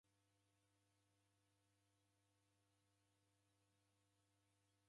W'ujumbe ghwape ghoka ghwa kisiasa.